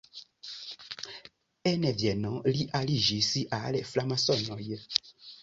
En Vieno li aliĝis al framasonoj.